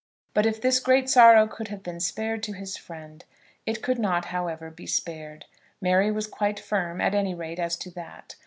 But if this great sorrow could have been spared to his friend! It could not, however, be spared. Mary was quite firm, at any rate as to that.